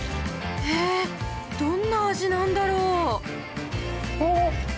へー、どんな味なんだろう。